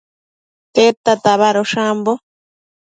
Tedta tabadosh ambo?